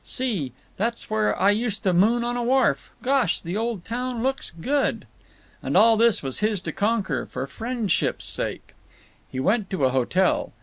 … Gee! there's where I used to moon on a wharf!… Gosh! the old town looks good." And all this was his to conquer, for friendship's sake. He went to a hotel.